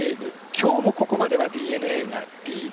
今日もここまではＤｅＮＡがリード。